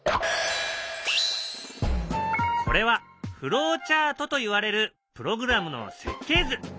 これはフローチャートといわれるプログラムの設計図。